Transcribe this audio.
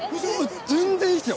全然いいですよ！